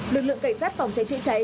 lực lượng cảnh sát phòng cháy chữa cháy